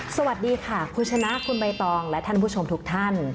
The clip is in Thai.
สวัสดีค่ะคุณชนะคุณใบตองและท่านผู้ชมทุกท่าน